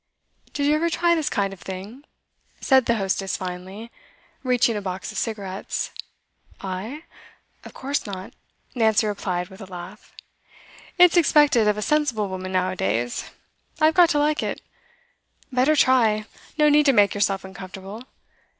'Did you ever try this kind of thing?' said the hostess finally, reaching a box of cigarettes. 'I? Of course not,' Nancy replied, with a laugh. 'It's expected of a sensible woman now a days. I've got to like it. Better try; no need to make yourself uncomfortable.